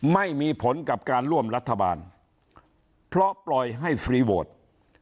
ไม่มีผลกับการร่วมรัฐบาลเพราะปล่อยให้ฟรีโวท